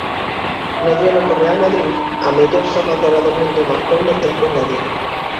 No duelo co Real Madrid a mellor xogadora do mundo marcou no tempo engadido.